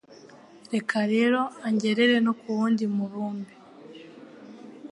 Reka rero angerere no kuwundi mubumbe